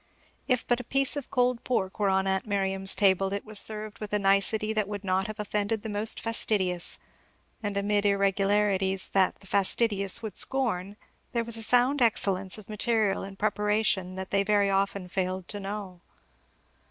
If but a piece of cold pork were on aunt Miriam's table, it was served with a nicety that would not have offended the most fastidious; and amid irregularities that the fastidious would scorn, there was a sound excellence of material and preparation that they very often fail to know.